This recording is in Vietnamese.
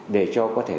để cho có thể